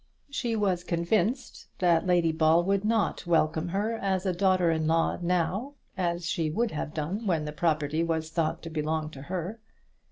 She was convinced that Lady Ball would not welcome her as a daughter in law now as she would have done when the property was thought to belong to her.